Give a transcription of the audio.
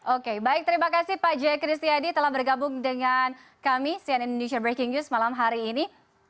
oke baik terima kasih pak j kristiadi telah bergabung dengan kami sian indonesia breaking news malam hari ini